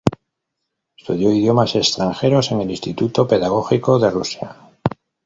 Estudió idiomas extranjeros en el Instituto Pedagógico de Rusia.